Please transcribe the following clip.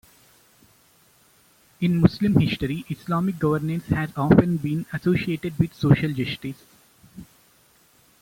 In Muslim history, Islamic governance has often been associated with social justice.